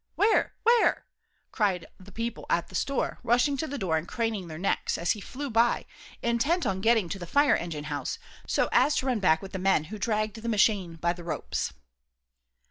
"Where where?" cried the people at the store, rushing to the door and craning their necks, as he flew by, intent on getting to the fire engine house, so as to run back with the men who dragged the machine by the ropes.